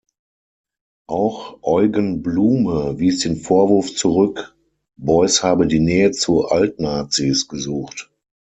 Auch Eugen Blume wies den Vorwurf zurück, Beuys habe die „Nähe zu Altnazis“ gesucht.